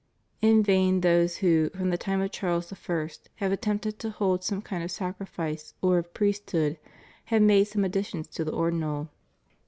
In vain those who, from theiiime of Charles I., have attempted to hold some kind of sacrifice or of priesthood, have made some additions to the Ordinal.